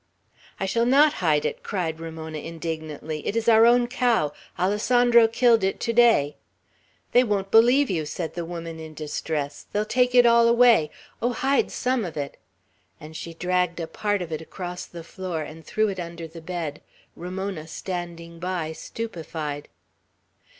"I shall not hide it!" cried Ramona, indignantly. "It is our own cow. Alessandro killed it to day." "They won't believe you!" said the woman, in distress. "They'll take it all away. Oh, hide some of it!" And she dragged a part of it across the floor, and threw it under the bed, Ramona standing by, stupefied.